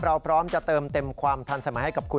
พร้อมจะเติมเต็มความทันสมัยให้กับคุณ